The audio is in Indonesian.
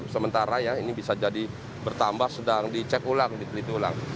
sementara ini bisa jadi bertambah sedang dicek ulang